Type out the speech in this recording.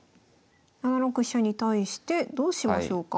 ７六飛車に対してどうしましょうか？